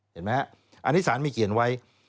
เห็นไหมอันนี้สารมีเกียรติไว้